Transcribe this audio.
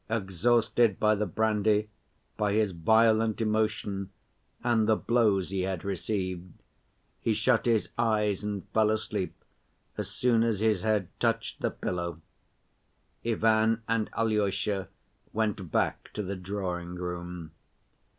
Exhausted by the brandy, by his violent emotion, and the blows he had received, he shut his eyes and fell asleep as soon as his head touched the pillow. Ivan and Alyosha went back to the drawing‐room.